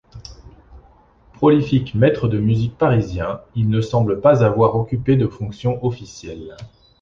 Prolifique maître de musique parisien, il ne semble pas avoir occupé de fonctions officielles.